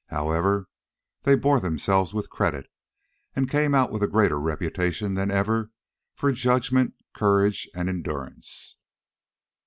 However, they bore themselves with credit, and came out with a greater reputation than ever for judgment, courage and endurance.